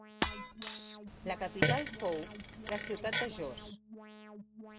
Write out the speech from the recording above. La capital fou la ciutat de Jos.